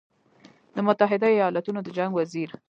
د متحدو ایالتونو د جنګ وزیر